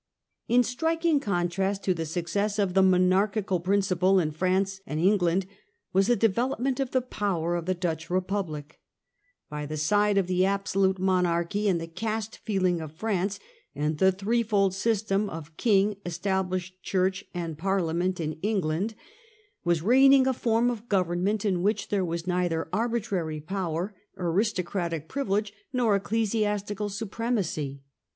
In striking contrast to the success of the monarchical principle in France and England was the development Nature of °* P ower ^ 1C Dutch Republic. By the the consti side of the absolute monarchy and the caste timott. feeling of France, and the threefold system of King, Established Church, and Parliament in England, was reigning a form of government in which there was neither arbitrary power, aristocratic privilege, nor eccle l66o. 109 The Dutch Republic. siastical supremacy.